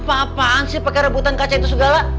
apa apaan sih pakai rebutan kaca itu segala